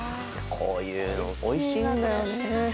こういうの美味しいんだよね。